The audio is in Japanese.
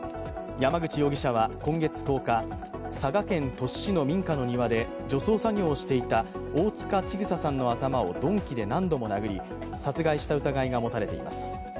山口容疑者は今月１０日佐賀県鳥栖市の民家の庭で除草作業をしていた大塚千種さんの頭を鈍器で何度も殴り殺害した疑いが持たれています。